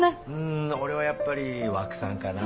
ん俺はやっぱり和久さんかな。